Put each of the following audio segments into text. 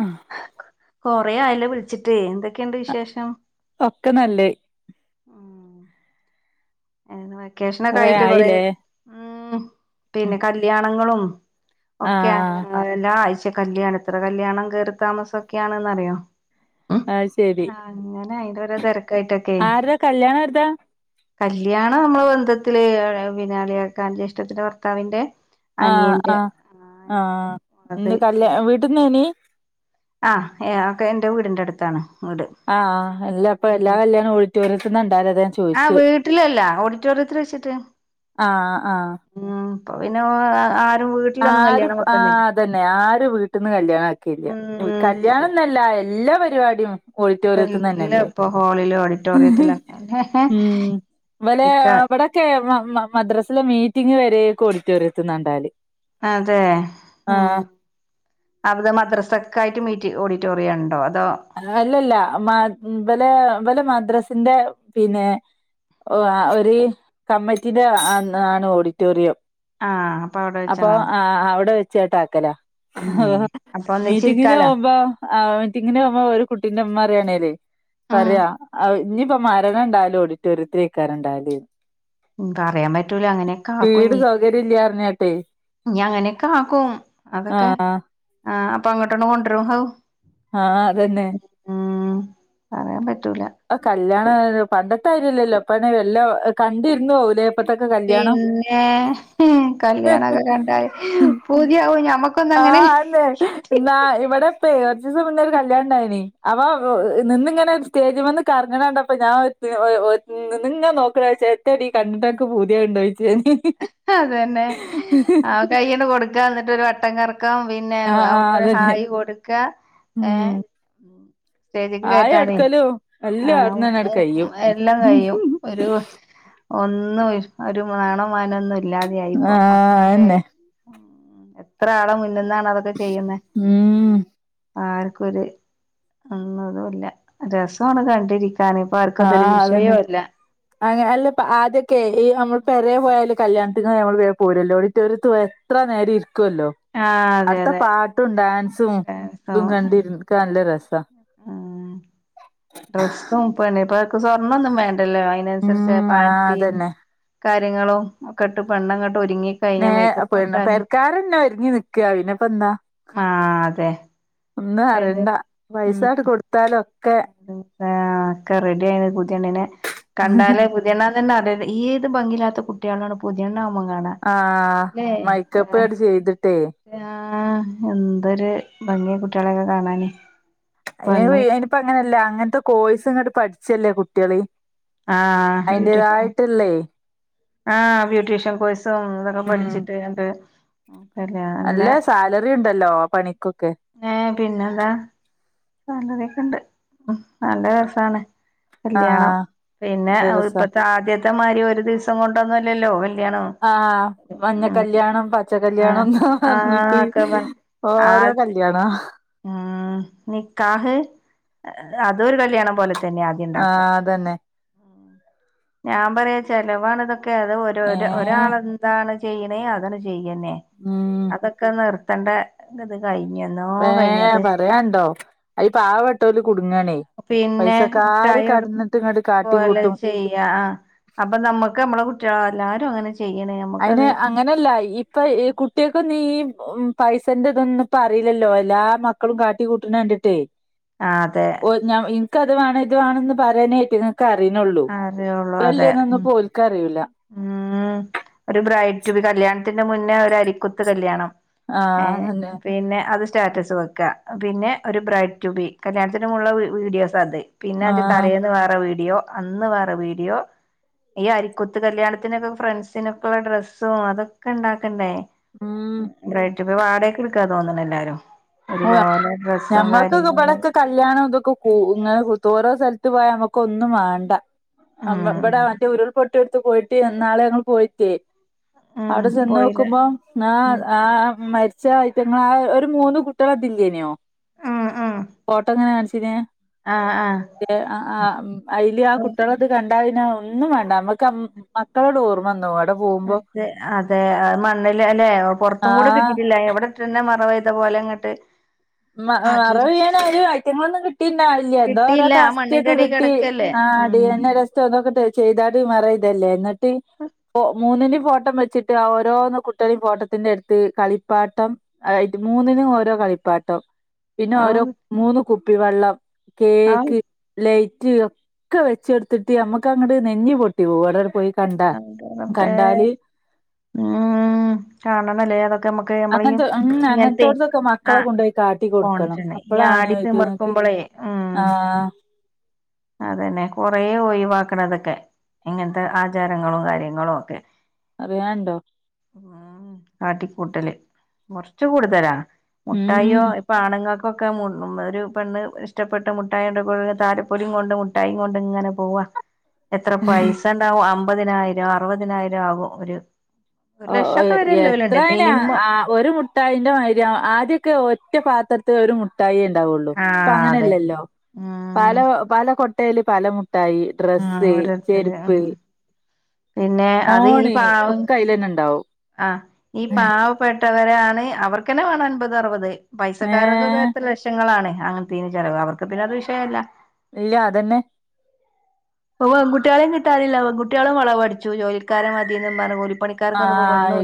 ആ കൊറെ ആയല്ലോ വിളിച്ചിട്ട് എന്തൊക്കെ ഇണ്ട് വിശേഷം ഒക്കെ നല്ലേ ഉം ഏഹ് വെക്കേഷനൊക്കെ കൊറേ ആയിട്ട് കുറേ ആയില്ലേ ഉ പിന്നെ കല്യാണങ്ങളും ഓക്കെ ആഹ് എല്ലാ ആഴ് പിന്നെ കല്യാണം എത്ര കല്യാണം കയറി താമസം ഒക്കെയാണന്ന്റിയോ ആ ശരി പിന്നെ അയ്ന്റ ഒരു തെരക്ക് ആരുടെ കല്യാണം ആരതാ? കല്യാണം നമ്മളെ ബന്ധത്തില് പിന്നെ അളിയാക്കാന്റെ ജ്യേഷ്ഠത്തിന്റെ ഭർത്താവിന്റെ ആഹ് അനിയന്റെ ആഹ ആഹ് അനിയന്റെ ആഹ അത് ന്റെ കല്യ പിന്നെ വീട്ടിന്ന് നീ ആഹ് ഏ ഒക്കെ എന്റെ വീടിന്റെ അടുത്താണ് വീട് അപ്പൊ എല്ലാ പിന്നെ കല്യാണം ഓഡിറ്റോറിയത്തിന്നാ ഇണ്ടാവല് അതാ ഞാൻ ആഹ് ചോദിച്ചത് വീട്ടിലല്ല ഓഡിറ്റോറിയത്തിൽ വെച്ചിട്ട് ആ ആ അപ്പൊ പിന്നെ വീട്ടിലൊന്നും ആരും കല്യാണം ആ വെക്കുന്നില്ല അതന്നെ ആരും വീട്ടിൽന്ന് കല്യാണം ആക്കലില്ല ഉം കല്യാണംന്നല്ല എ ല്ലാ പരിപാടിയും അപ്പൊ ഓഡിറ്റോറിയത്തിന്ന് എല്ലാ തന്നെയല്ലേ ഇപ്പൊ ഹോളിലും ആണ് വിക്ടോറിയത്തില ഉം ഇവലെ ഇക്ക ഇവിടൊക്കെ മദ്രസിലെ മീറ്റിംഗ് വരെയൊക്കെ ഓഡിറ്റോറിയത്ത്ന്നാണ്ടാവല് അതെ ഉ അവിടെ മദ്രസക്കായിട്ട് മീറ്റിങ് ഓഡിറ്റോറിയം ഉണ്ടോ അതോ അല്ലല്ല മ ബലെ ബലെ മദ്രസ ഹ് ന്റെ പിന്നെ ഒ ആ ഒരു കമ്മറ്റിടെ ആ ആ ആണ് ഓഡിറ്റോറിയം ആഹ് അപ്പൊ അവിടെ വെച്ചാണോ അപ്പൊഹ് ആ ആ അവിടെ വെച്ചാട്ടാ ക്കലോ ഉം ഹോഹോ അപ്പൊ മീറ്റിങ്ങിന് ഒന്നിച്ചിരിക്കാലോ പോവുമ്പോ അവ - ന്റമ്മോ ഒരുകുട്ടിന്റെമ്മറേണേല് ഉം പറെ ആഹ് ന്പ്പ മരണണ്ടായാലും ഓഡിറ്റോറിയത്തിലയ്കാരം ണ്ടാകാല്ന്ന് ഹ്മ്പറയാം പറ്റൂല അങ്ങനൊക്ക വീട് ആകുംഞ് സൗകര്യം ഇല്ല പറഞ്ഞാട്ടെ ഞ് അങ്ങനാക്ക ആക്കും അതൊക്ക ആഹ് ആ അപ്പം അങ്ങോട്ടൊന്നും കൊണ്ടുരു ഹൗ - ആ അതന്നെ ഉം പറയാം പ അ കല്യാണെ പണ്ടൊ- തരില്ലല്ലോ പണി വല്ലാം കണ്ടിരുന്നോഹുലേ പിന്നെ ഹ്മ് കല്യാണക്ക കണ്ടാല് പൂതി ആകും ഞമ്മക്ക്- ആഹ് അതെ ഇന്നാ ഇവടെ പേർച്ചിസ്മ് മുന്നേരു ഒരു കല്യാണണ്ടായ്നിം അബാം നിന്ന് ങ്ങനെ സ്റ്റേജ്മന്ന് കർങ്ങണണ്ടപ്പ നാ ഒത് ഒയ് ഒ ന്ന്ന്ന് ങ്ങനാ നോക്ണ് എത്തേടി കണ്ട്ട്ടൻക് പൂതി ആക്ണ്ട യ് - അതെന്നെ ആ കയ്യ്ണ്ട് കൊട് ക്ക ന്നട്ടൊരു വട്ടം കർ - ക്കാം പിന്നേം ആഹ് ആഹ് അവ്ഡ്ന്നൊരു അതന്നെ ഹായി കൊടുക്ക- ഹേ ഉം - സ്റ്റേജ്ക്ക് ആയി കയറ്റാനേ എടുക്കലും ആ എല്ലും ഉം അവിട്ന്നന്നെ ആണ്ട് ഉം കയ്യും അഅ എല്ലാം കഴിയും ഒരു- ഒന്നും ശ് ഒരു മാണം മാനൊന്നും ഇല്ലാതെആയിപ്പൊ ആഹ് മക്ക അതെന്നെ - എത്ര ആള മുന്ന് ന്നാ പ്പാ തൊക്കെ ചെയ്യുന്നേ ഉം ആര് - കൊര് ഉം ന്നതൂല്ല രസാണ് കണ്ടിരി- ആഅതന്നെ അ അൻല്ലപ്പ ആദ്യൊക്കെ നമ്മൾ പേരെ പോയാല് കല്യാണത്തിന് നമ്മൾ വേം പോരോല്ലോ ഓടിറ്റൊറിയത്ത് പോയാൽ എത്ര നേരെരി- കൊല്ലോ ആഹ് അതെ അട്ത്ത അതെ പാട്ടും ഡാൻസ് - തും തുംകണ്ടിരിൻക്കാൻ ല്ല രസ് ആഹ് പ്പ സ്വൊർണംന്നും വേ - ണ്ട്ല്ലോ അയിനൻസര്ച്ച് ഉം ആ ഫാൻസിം അതന്നെ കാര്യങ്ങളോക്കട്ട് പെണ്ണും കട്- ന്നെഅ പെണ്ണ് പേര്ക്കാരന്നെ ഒരുങ്ങി നിക്ക പിന്നപ്പന്താ ആഹ് അതെ ഒന്നും അറെണ്ട പൈസാണ്ട് കൊട്ത്താലോ- ഹ്മ് ആ ഒക്ക റെഡി ആയി പുതെണ്ണിനെ കണ്ടാലേ പുതെണ്ണ ന്ന- ത ഏത് ഭംഗിയിത്ത കുട്ടികളാണ് പുതിയ ആഹ മൈക്കപ്പേട് ചെയ്തിട്ടേ ആ എന്തൊരു ഭംഗിയ കുട്ടികളെൊക്കെ കാണാനേ [unintelligible] അങ്ങനെയല്ല അങ്ങനത്തെ കോഴ്സ് ഇങ്ങോട്ട് പഠിച്ചല്ലേ കുട്ടിള് ആഹ് ബ്യൂട്ടീഷ്യൻ അതിന്റെതായിട്ടുള്ള ആഹ് ബ്യൂട്ടീഷ്യൻ കോഴ്സും ഇതൊക്കെ പഠിച്ചിട്ട് അത് [inaudible] നല്ല അല്ലേ സാലറി ഉണ്ടല്ലോ പണിക്കൊക്കെ സാലറി ഒക്കെ ഇണ്ട് നല്ല രസാണ് ആ കല്യാണം പിന്നെ നല്ല രസാ ഇപ്പത്തെ ആദ്യത്തെ മായിരി ഒരു ഒരു ദിവസം കൊണ്ടൊന്നും അല്ലല്ലോ ആഹ് മഞ്ഞ കല്യാണം പച്ച ആഹ് കല്യാണംന്ന് ആഹ് പറഞ്ഞിട്ട് ഒക്കെ പറ ഓരോ ആഹ് കല്യാണാ ഉം നിക്കാഹ് അതൊരു കല്യാണം പോലെ തന്നെ ആദ്യം ഉണ്ടാക്കും ആഹ് അതന്നെ ഞാൻ പറയാ ച്ചലവ് ആണ് ഇതൊ- ക്കെ അത് ഒര് ഒര് ഏഹ് ഒരാൾ എന്താണ് ചെയ്യണേ അതണ് ചെയ് യ്യന്നെ ഉം അതൊക്കെ നിർ ത്തണ്ടെ [unintelligible] കഴിഞ്ഞ് എന്നോ കഴി ഏ പറയാണ്ടോ അയില് പാവപ്പെട്ടോ പിന്നെ മുട്ടായി എടു കടന്നിട്ട് ഇങ്ങട്ട് പോലെ കാട്ടിക്കൂട്ടും ചെയ്യാ ആ അപ്പൊ നമ്മുക്ക് നമ്മള കുട്ടികള എല്ല രു അങ്ങനെ ചെയ്യണേ അയിന് നമ്മുക്കത് അങ്ങനെല്ല ഇപ്പൊ ഈ കുട്ടിയേക്കൊന്നും ഈ പൈസ ൻ്റെ ഇതൊന്നും ഇപ്പം അറീല്ലല്ലോ എല്ലാ മക്കളും കാട്ടി കൂട്ടണ കണ്ടിട്ടേ ആ അതെ ഓ ഞാൻ ഇനക്കത് വേണം ഇത് വേണംന്ന് പറയാനയിറ്റ അറിനൊള്ളൂ അറിയുള്ളൂ അതെ എത്രല്ലിയാന്നൊന്നും ഉം ഒന്നു ഓൽക് അറിയൂല ഉം ഒരു ബ്രൈറ്റു ബി കല്യാൺ ത്തിന്ന് മുന്നേ ഒരു അരിക്കുത്ത് കല്യാണം ഏ ആഹ് അതന്നെ പിന്നെ അത് സ്റ്റാറ്റസ് വെക്കാ പിന്നെ ഒരു ബ്രയിഡ് ടു ബി കല്യാണത്തിനു മുൻപുള്ള വീഡിയോസ് അത് പിന്നെ അതിന്റെ ആഹ് തലേന്ന് വേറെ വീഡിയോ അന്ന് വേറെ വീഡിയോ ഈ അരി കുത്ത് കല്യാണത്തിനൊക്കെ ഫ്രണ്ട്സിനൊക്കെയുള്ള ഡ്രസ്സും അതൊക്കെ ഉണ്ടാക്ക ണ്ടേ ഉം ബ്രയിഡ് റ്റുബി വാടകക്ക് എടുക്കാ തോന്ന്ണ്‌ എല്ലാരും ഓ ഒരുപോലെ ഡ്രസ്സും ഞമ്മൾക്കൊക്കെ കാര്യങ്ങളും ഇബ്ടൊക്കെ കല്യാണം ഇതൊക്കെ കൂ ഇങ്ങനെ ഓരോ സ്ഥലത്ത് ത്ത് പോയാ നമുക്ക് ഒന്നും വേണ്ട ആ ഇവിട ഉം മറ്റേ ഉരുൾപൊട്ടി ഇട്ടോട്ത്ത് പോയിട്ട് എന്നാള് ഞങ്ങള് പോയിട്ടേ ഉം അവിടെ പോയില്ലേ ചെന്നോക്കുമ്പോ നേ ഉം ആ മര് ഇച്ചാ അയ്റ്റങ്ങളെ ആ ഒരു മൂന്ന് കു ട്യോളെതില്ലേയ്ന്യോ ഉം ഉം ഫോട്ടോങ്ങനെ കാണ് ആഹ് ആഹ് [unintelligible] [unintelligible] ആ ആ അയില് ആ അപ്പൊ കുട്ടികളത് കൺ ണ്ട [unintelligible] ഒന്നും വേണ്ട നമ്മക്ക് അം മക്കളെട് ഓർമ്മന്നോവും അതെ അതെ മണ്ണില് അല്ലേ ആ പൊറത്തും കൂടെ കിട്ടീട്ടില്ല എവിടെ ഇട്ടന്നെ മറവ തപോലെ ഇങ്ങട്ട് മ മറവ്യ്യാൻ [unintelligible] ഐറ്റെങ്ങളൊന്നും കിട്ടീണ്ടാവില്യ എന്തോ ഓരോ കിട്ടിയില്ല ആ മണ്ണിന്റെ അസ്ത്യൊക്കെ അടി കിട്ടി കെടക്കല്ലേ ആ ടി ഉം എൻ എ ടെസ്റ്റൊ [unintelligible] ചെയ്താടി മറയ്തല്ലേ എന്നിട്ട് മൂന്നിന് ഫോട്ടം വെച്ചിട്ട് ആ ഓരോന്ന കുട്ട്യളേം ഫോട്ടത്തിന്റെ അടുത്ത് കളിപ്പാട്ടം ത് മൂന്നിനും ഓരോ കളിപ്പാ ട്ടം പിന്നെ ഔ ഓരോ മൂന്ന് കുപ്പി വെള്ളം ഔ കേക്ക് ലൈ [unintelligible] ഒക്കെ വെച്ചെടുത്തിട്ട് നമ്മുക്ക് അങ്ങ്ടൂ നെഞ്ഞി പൊട്ടി പോകും വടടെ പോയി കണ്ടാ എന്ററബ്ബെ കണ്ടാല് ഉം കാണണല്ലേ അതൊക്കെമ്മ അങ്ങനത്തെ [unintelligible] അങ്ങനത്തോടത്തൊക്കെ ആ മക്കളെ കൊണ്ട് പോയി കാട്ടി കൊടുക്കണം കോൺഫിഡ ഈ അപ്പളാണ് ആടി ഇത്ങ്ങക്ക് തിമിർക്കുമ്പോളേ ഉം ആ അതന്നെ കൊറേ ഒഴിവാക്കണതൊക്കെ ഇങ്ങനത്തെ ആ ആചാരങ്ങളും കാര്യങ്ങളുക്കെ അറിയാണ്ടോ ഉം കാട്ടിക്കൂട്ടല് കുറച്ച് കൂടുതലാണ് മുട്ടായിയൊ ഉം ഇപ്പൊ ആണുങ്ങക്ക ഇപ്പൊക്കെ മു ഒരു പെണ്ണ് ഇഷ്ടപ്പെട്ട് മുട്ടായിട്ട് താലപ്പൊലി കൊണ്ട് മുട്ടായിം കൊണ്ട് ഇങ്ങനെ പോവാ എത്ര പൈസ ഉണ്ടാവും അ അമ്പതിനായിരം അറുപതിനായിരം ആകും ഒരു ഒരു ഓ ഓ ലക്ഷമൊക്കെ എത്ര വരെല്ലോലുണ്ട് ന് മിനിമം ആ ഒരു മുട്ടായിന്റെ മാര്യ ആ ദ്യക്കെ ഒറ്റ പാത്ര ൽഒരു മുട്ടായി. ആ ഉണ്ടാവുള്ളുഇപ്പം അതെ അങ്ങനല്ലല്ലോ പല ആഹ് പല കൊ ട്ടേൽ പല ട്ടായി ഡ്രസ്സ് ഓരോരുത്തര് ചെര്പ്പ് ആഹ് പിന്നെ അത് ഈ പാവം ഉണ്ടാവും ആ ഈ പാവപ്പെ ട്ടാ അങ്ങെന്നെന്നു അവർക ന്നെ വേണം അംബദ് ആരുബദ് ഏ പൈസക്കാർക്കെക്കെഎത്ര ലക്ഷങ്ങളാണ് അങ്ങനതീൻ ചെലവാ അവർക്ക് പിന്നെ അത് വിഷയമല്ല ഇല്ല അതന്നെ ഇപ്പം പെൺകുട്ടികളെയും കിട്ടാനില്ല പെൺകുട്ടികളും വളവടിച്ചു ജോലിക്കാരെ മതിന്നുപറഞ്ഞ് കൂലി ആ എ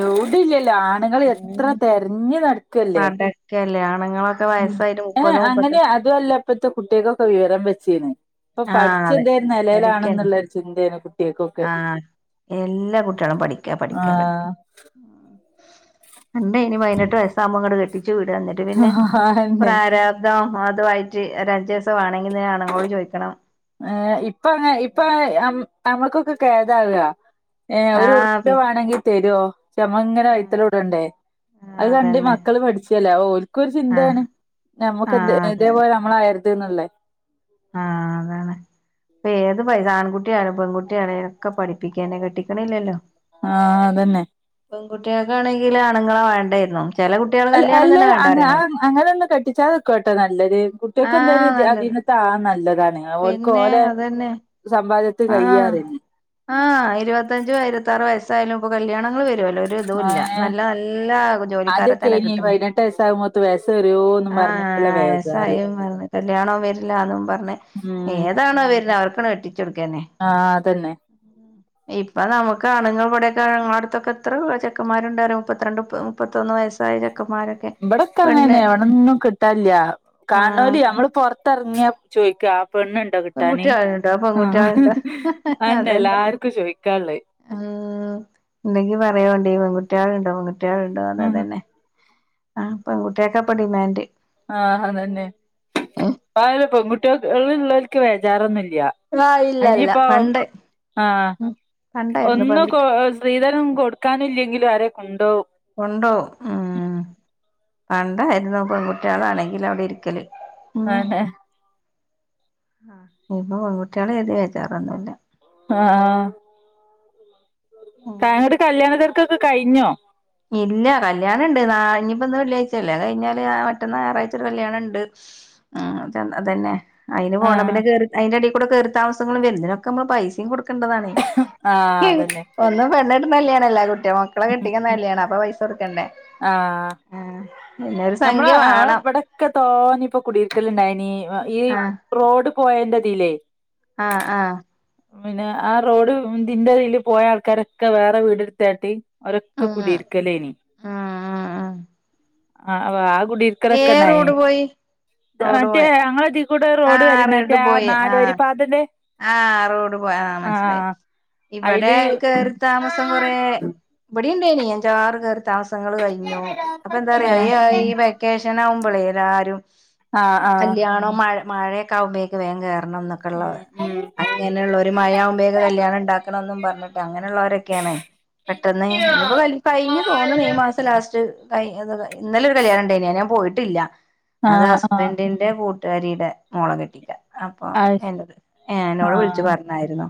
യൗടിയില്ലല്ലോആണുങ്ങൾ എത്ര തെരഞ്ഞ് നടക്കല്ലേ നടക്കല്ലേ ആണുങ്ങളൊക്കെ ഉ വയസ്സായിട്ട് ഏ മുപ്പത് അങ്ങനെ മുപ്പത്തി അതുഅല്ലപ്പത്തെ കുട്ടിയൊക്കൊക്കെ വിവരം വെച്ചീന്ന് ഇപ്പം ആഹ് പഠിച്ച് എന്തേരു നിലയിലാണെന്നുള്ള ഒരു ചിന്തേണ് കുട്ടി ആഎല്ലാ കുട്ടികളും പഠിക്കാ ആ പഠിക്കാ പഠിക്ക പണ്ടേ നി പതിനട്ട് വയസാകുമ്പോ ങ്ങട്ട്കെട്ടി ച്ച്‌ വിടാന്നട്ട് പിന്നെ അതന്നെ പ്രാരാബ്ദ യിട്ട് ഒരഞ്ചൈസമാണെങ്കി തന്നെ ആണുങ്ങളോട് ചോദിക്കണം ഏ ഇപ്പ അങ്ങ ഇപ്പ നമ്മുക്കൊക്കെ കേതാവാ ഏ ഒരു ആഹ് ഉറുപ്പ പി വേണമെങ്കിൽ തരോ മ്മളിങ്ങനെ വഴ്ത്തോല ആഹ് കൂടണ്ടേ അത് കണ്ട് അതന്നെ മക്കള് പഠിച്ചല്ലേ ആഒല് ക്കും ഒരു ആഹ് ചിന്തയാണ് നമ്മക്ക്എന്തേ ആഹ് ഇതേപോലെ നമ്മള ആക ര്ത്ന്നല്ലേ ആ അതാണ് പ്പേ ഏത് പൈ ആൺകുട്ടി യാലും പെൺകുട്ടിയ ആണേലുംഒക്കെ പഠിപ്പിക്കാന്നെ കെട്ടിക്കണില്ലല്ലോ ആാാ അദെന്നെ പെൺകട്ടികൾക്കാണെങ്കിൽ ആണുങ്ങളോ വേണ്ടേറ്ന്നു അല്ല അല്ല അ അങ്ങനെ ഒന്നും കെട്ടിച്ചാതക്കാട്ടോ നല്ലത് ആഹ് കുട്ടികൊഎന്തങ്കിലും നല്ലത് അധീനത്താ ആക്ക നല്ലത് താണ്അ ഓൽക്ക് ഓല സമ്പാദ്യ ആ ആ ഇരുപത്തഞ്ചു ഇരുപത്താറു വയസ്സായാലും ഇപ്പം കല്യാണങ്ങൾ വരുല്ലോ ഒരിതുല്ല ഏഹ് നല്ല നല്ല ജോലിക്കാരെ ആദ്യൊക്കെ തന്നെ ഇനി കിട്ടണെ പതിനെട്ട് വയസ്സാകുമ്പോത്ത് വയസ്സ് വരുവോന്നും പറഞ്ഞിട്ടുള്ള ആഹ് ബേജാറ് [unintelligible] കല്യണോ വരില്ലഅതുപറഞ്ഞു ഉം ഏതാണോവരാണെ അവർക്ക് [unintelligible] ട്ടിച്ചു കൊടുക്കാന്നേ ആഹ് അതന്നെ ഇപ്പൊ നമക്ക് ആണുങ്ങൾ ഇവിടെയോക്കെ ഞങ്ങള അടുത്തൊക്കെ എത്രയോ ചെക്കന്മാരുണ്ടായിരുന്നു മുപ്പത്തിരണ്ട് മുപ്പത്തൊന്ന് വയസ്സായ. ചെക്കന്മാരൊക്കെ ഇവിടൊക്കെ പെണ്ണ് ഇങ്ങനെന്നെ എവിടൊന്നു കിട്ടാനില്ല കാണലോര് ആഹ് നമ്മള് പുറത്തിറങ്ങിയാ ചോയ്ക്കാ. പെൺകുട്ടി കളുണ്ടോ പെൺകുട്ടി ക ളുണ്ടോ അതന്നെ എല്ലാർക്കും ചോദിക്കാനുള്ളേ ഉം ഉണ്ടെങ്കി പറയോണ്ടി പെൺകു കുട്ടികളുണ്ടോ പെൺകുട്ടി ട്ടിളുണ്ടോ ഇദെന്നെ ആഹ് ആഹ് അതന്നെ ഇപ്പോ ആയിന്ന് പെ ൺുട്ടികൾഉള്ളടു നിക്ക് വേചാറൊന്നുമില്ല ആഹ് ഇല്ലല്ല ല്ല്യാഇനിയിപ്പോ പണ്ട് ആഹ് ഉം പണ്ടായിരുന്നു ഒന്നും പെൺകുട്ടി സ്ത്രീധനം കൊടുക്കാനില്ലെങ്കിലും ആരെയും കൊണ്ടോവും. ഉണ്ടോ ഉം പണ്ടായിരുന്നു പെൺകുട്ടികളാണെങ്കിൽ അവിടെ ഇരിക്കല്. ആഹ് ആ ഇപ്പ പെൺകുട്ടികളാ കരുതി വെച്ചാറൊന്നുമില്ല. ആഹ് തങ്ങടെ കല്യാണ തിര ക്കോക്കെ കഴിഞ്ഞോ. ഇല്ല കല്യാണം ഇണ്ട് ഇനിപ്പോ ഇന്ന് വെള്ളിയാഴ്ചയാല്ലേ അത് കഴിഞ്ഞാല് മറ്റന്നാ ഞായറാഴ്ച ഒരു കല്യാണ ഉണ്ട് ഉം അന്നാ തന്നെ അയിന് പോണം ആഹ് പിന്നെകേറി അതിന്റെ യേടേൽ. ക്കൂടെ കേറീതാമസങ്ങളും വര്നത്. ഒക്കെ നമ്മള് പൈസിം കൊട് ക്കണ്ടതാണെ ആഹ് ഏഹ് അതന്നെ ഒന്നു പെണ്ണ് എടു [unintelligible] [unintelligible] മക്കളെ കെട്ടിക്കുന്ന കല്യാ പൈസ കൊടുക്കെണ്ടേ ആഹ് പിന്നൊരു നമ്മളെ സംഖ്യ ആ വേണം വെടൊക്കെ തോനി ഇപ്പൊ കുടിര്ക്കല്ണ്ടായ്നി ഈ ആഹ് റോഡ് പോയേൻ്റതിലേ ആഹ് ആഹ് പിന്നെ ആ റോഡ് തിന്റെ തില് പോയ ആൾക്കാരൊക്കെ വേറെ വീട് ഇട്‌ത്താട്ടി ഓലൊക്കെ ഉം കുടിര്ക്കലേനി ഉം ആഹ് വാ അ് ഏ കുഡിര്ക്കലൊക്കെണ്ടായ്നി. റോഡ് പോയി ത് റോഡ് മറ്റേ പോയ ഞങ്ങളെ [unintelligible] കൂടെ റോഡ് ആഹ് വര്ന് മറ്റേ നാല് വരിപ്പാതന്റെ ആ റോഡ് പോയ മനസിലായി ഇവിടെ അയില് കേറി താമസം കൊറേ വടിണ്ടായിനി അഞ്ചാറ് താമസങ്ങൾ കഴിഞ്ഞു അപ്പൊ എന്താറിയോ ഈ വെക്കേഷൻ ആവുമ്പളെ എല്ലാരും ആ ആ ആ കല്യാണം മഴ മഴക്കാവുബോയേക് വേ കേറണം [unintelligible] ഉം എന്നൊക്കെള്ളത് ഉം അങ്ങനെയുള്ള ഒരു മഴമ്പോയേക്ക്‌ കല്യാണം ഉണ്ടാക്കണന്നും പറഞ്ഞിട്ട് അങ്ങനെയുള്ളവരൊക്കെയാണ് പെട്ടെന്ന് ഇനിപ്പോ കഴിഞ്ഞു തോന്നണ് ഈ മാസം ലാസ്റ്റ് അയ് ഇന്നലെ ഒരു കല്യാണണ്ടായിനി അത് ഞാൻ പോയിട്ടില്ല ആ അത് ആ ഹസ്ബന്റിന്റെ കൂ കൂട്ടുകാരിയുടെ മോളെകെട്ടിക്കാ അപ വേണ്ടത് ഏ അന്നോട് വിളിച്ചു പറഞ്ഞായിരുന്നോ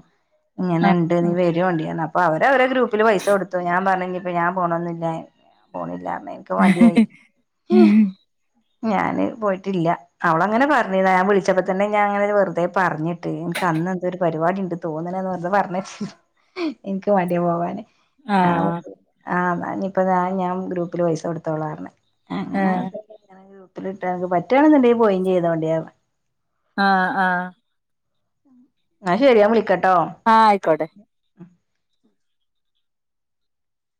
ആ എങ്ങനെണ്ട് [unintelligible] അവര് അവരെ ഗ്രൂപ്പിൽ പൈസ കൊടുത്തു ഞാൻ പറഞ് ഞാൻ പോണോന്നുല്ല പോണില്ല ആ ഞാന് പോയിട്ടില്ല അവലങ്ങനെ പറഞ്ഞിനി ഞാൻ വിളിച്ചപ്പോ തന്നെ ഞാൻ അങ്ങനെ വെറുതെ പറഞ്ഞി തേനിക്ക് അന്ന് എന്തോ ഒരു പരിപാടി തോന്ന്ണ് വേർതെ പറഞ്ഞ എനിക്ക് മഡിയാ പോകാൻ ആ ആ ഇന്നാ ഞാൻ ഞാൻ ഗ്രൂപ്പില് പൈസ കൊടുത്തോളാന്നറഞ്ഞ് എങ്ങനെ ഏഹ് [unintelligible] പറ്റുണെന്ന്ണ്ടങ്കി പോയിം ചെയ്തോണ്ടിന് ആ ആ ഇന്നാ ശരി ഞാവിളിക്ക ആ ആയിക്കോട്ടെ